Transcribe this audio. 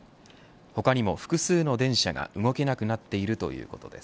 他にも複数の電車が動けなくなっているということです。